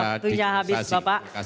baik waktunya habis bapak